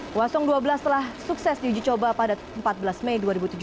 dua belas telah sukses diuji coba pada empat belas mei dua ribu tujuh belas